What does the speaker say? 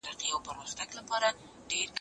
زه به چپنه پاک کړې وي